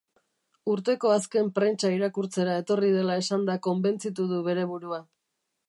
Urteko azken prentsa irakurtzera etorri dela esanda konbentzitu du bere burua.